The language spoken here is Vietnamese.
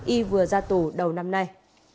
y vừa ra tù đầu năm nay